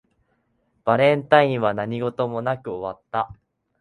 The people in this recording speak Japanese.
バレンタインは何事もなく終わった